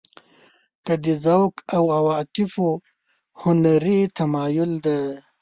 که د ذوق او عواطفو هنري تمایل دی.